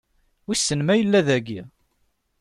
Wissen ma yella dagi?